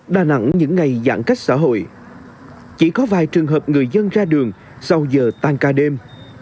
đà nẵng những ngày giãn cách xã hội chỉ có vài trường hợp người dân ra đường sau giờ tan ca đêm